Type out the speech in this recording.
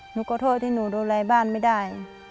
หนูขอโทษที่หนูดูแลบ้านไม่ได้